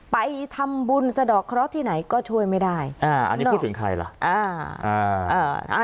ไปทำบุญสะดอกเคราะห์ที่ไหนก็ช่วยไม่ได้อ่าอันนี้พูดถึงใครล่ะอ่า